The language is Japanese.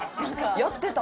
やってた。